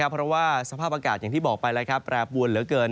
เพราะว่าสภาพอากาศอย่างที่บอกไปแล้วแปรปวนเหลือเกิน